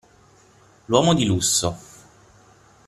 L'uomo di lusso.